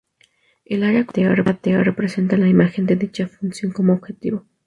El área coloreada T representa la imagen de dicha función objetivo.